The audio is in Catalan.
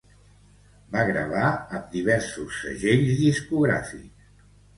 Va gravar amb diversos segells discogràfics.